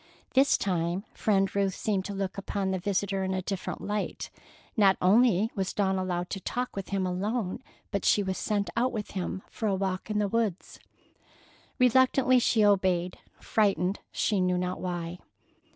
This time Friend Ruth seemed to look upon the visitor in a different light. Not only was Dawn allowed to talk with him alone, but she was sent out with him for a walk in the woods. Reluctantly she obeyed, frightened, she knew not why.